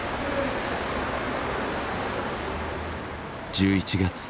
１１月。